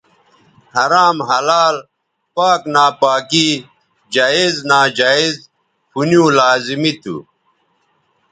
حرام حلال پاک ناپاکی جائز ناجائزپُھنیوں لازمی تھو